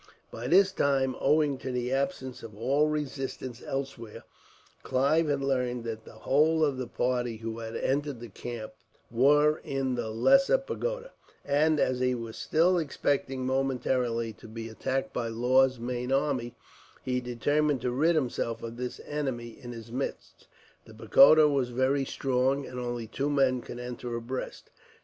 By this time, owing to the absence of all resistance elsewhere, Clive had learnt that the whole of the party who had entered the camp were in the Lesser Pagoda; and, as he was still expecting, momentarily, to be attacked by Law's main army, he determined to rid himself of this enemy in his midst. The pagoda was very strong, and only two men could enter abreast.